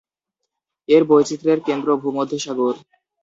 এর বৈচিত্র্যের কেন্দ্র ভূমধ্যসাগর।